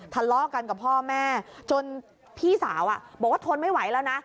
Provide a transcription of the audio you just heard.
ทะเลาะกันกับพ่อแม่จนพี่สาวบอกว่าทนไม่ไหวแล้วนะ